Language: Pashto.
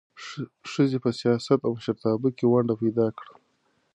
ښځې په سیاست او مشرتابه کې ونډه پیدا کړه.